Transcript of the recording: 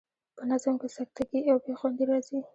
په نظم کې سکته ګي او بې خوندي راځي.